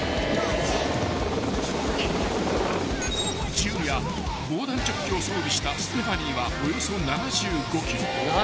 ［銃や防弾チョッキを装備したステファニーはおよそ７５ｋｇ］